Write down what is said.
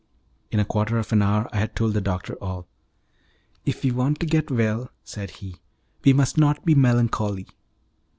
In a quarter of an hour I had told the doctor all. "If we want to get well," said he, "we must not be melancholy."